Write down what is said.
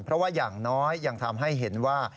เพราะว่าอย่างน้อยยังทำให้เห็นว่า